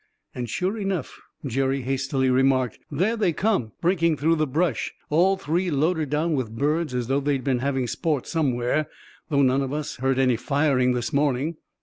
"And, sure enough," Jerry hastily remarked, "there they come, breaking through the brush, all three loaded down with birds as though they'd been having sport somewhere, though none of us heard any firing this morning."